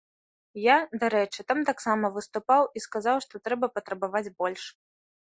Я, дарэчы, там таксама выступаў і сказаў, што трэба патрабаваць больш.